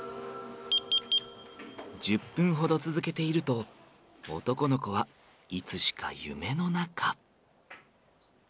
１０分ほど続けていると男の子はいつしか夢の中。